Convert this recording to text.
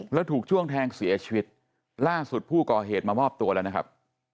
แล้วถูกช่วงแทงเสียชีวิตล่าสุดผู้ก่อเหตุมามอบตัวแล้วนะครับ